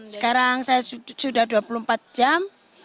sekarang saya sudah dua puluh empat jam